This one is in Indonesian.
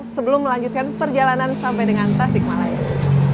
sekarang saya mau lanjutkan perjalanan sampai dengan tasik malaya